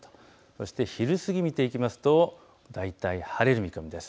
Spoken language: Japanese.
そして昼過ぎ、見ていきますと大体晴れる見込みです。